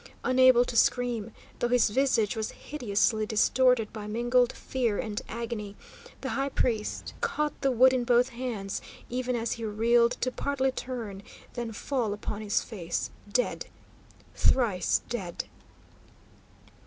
Unable to scream, though his visage was hideously distorted by mingled fear and agony, the high priest caught the wood in both hands, even as he reeled to partly turn, then fall upon his face, dead, thrice dead!